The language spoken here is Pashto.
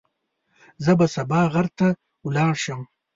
زه به سبا غر ته ولاړ شم.